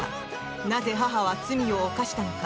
なぜ母は罪を犯したのか。